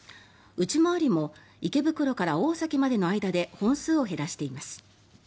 内回りも池袋から大崎までの間で本数を減らしています。